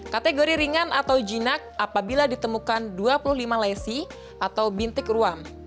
kategori ringan atau jinak apabila ditemukan dua puluh lima lesi atau bintik ruam